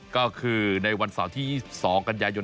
ก็คือในวันเสาร์ที่๒๒กันยายน